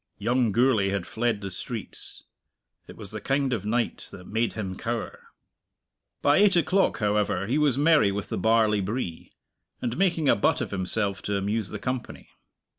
Young Gourlay had fled the streets. It was the kind of night that made him cower. By eight o'clock, however, he was merry with the barley bree, and making a butt of himself to amuse the company.